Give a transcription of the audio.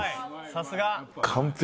さすが！」